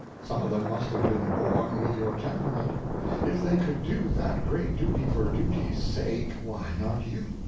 Some of them must have been born with your temperament; if they could do that great duty for duty's sake, why not you?